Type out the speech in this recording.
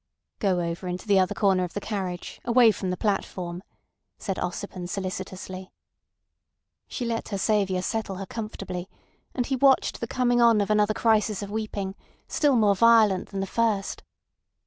"Go over into the other corner of the carriage, away from the platform," said Ossipon solicitously. She let her saviour settle her comfortably, and he watched the coming on of another crisis of weeping, still more violent than the first.